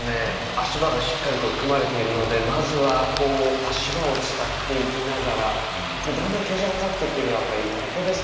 足場がしっかりと組まれているのでまずはこう足場を伝っていきながらだんだん傾斜が立ってくる辺りここですね。